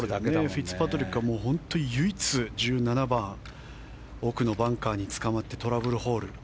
フィッツパトリックは唯一１７番奥のバンカーにつかまってトラブルホール。